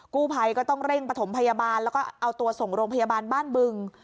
กู้ภัยก็ต้องเร่งประถมพยาบาลแล้วก็เอาตัวส่งโรงพยาบาลบ้านบึง